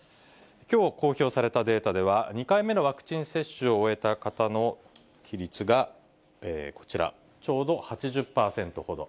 きょう公表されたデータでは、２回目のワクチン接種を終えた方の比率が、こちら、ちょうど８０％ほど。